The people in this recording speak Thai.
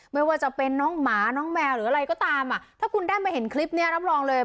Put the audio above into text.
ไม่ว่าจะเป็นน้องหมาน้องแมวหรืออะไรก็ตามอ่ะถ้าคุณได้มาเห็นคลิปนี้รับรองเลย